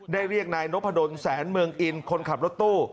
เรียกนายนพดลแสนเมืองอินคนขับรถตู้